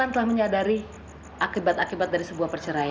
untuk menyelesaikan masalah ini